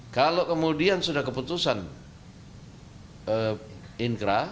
kalau kemudian sudah keputusan inkra